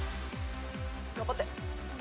頑張って。